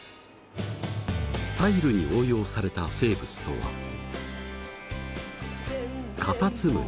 タイルに応用された生物とはカタツムリ。